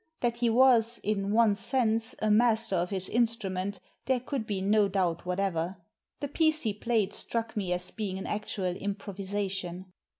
That he was, in one sense, a master of his instrument there could be no doubt whatever. The piece he played struck me as being an actual improvisation.